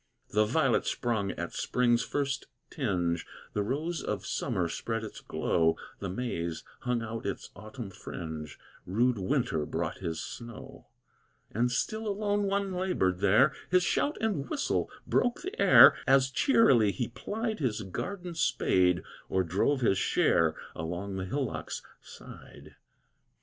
The violet sprung at spring's first tinge, The rose of summer spread its glow, The maize hung out its autumn fringe, Rude winter brought his snow; And still the lone one labored there, His shout and whistle broke the air, As cheerily he plied His garden spade, or drove his share Along the hillock's side.